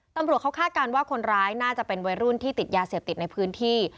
ตำรวจเขาคาดการณ์ว่าคนร้ายน่าจะเป็นวัยรุ่นที่ติดยาเสพติดในพื้นที่